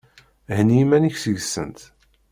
Henni iman-ik seg-sent!